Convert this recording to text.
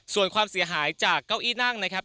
ส่วนความเสียหายจากเก้าอี้นั่งนะครับ